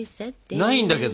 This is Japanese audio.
ないんだけど。